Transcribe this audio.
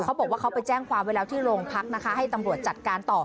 เขาบอกว่าเขาไปแจ้งความไว้แล้วที่โรงพักนะคะให้ตำรวจจัดการต่อ